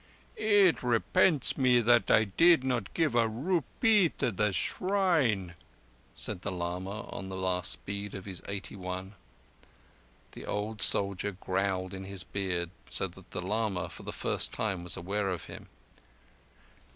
"It repents me that I did not give a rupee to the shrine," said the lama on the last bead of his eighty one. The old soldier growled in his beard, so that the lama for the first time was aware of him.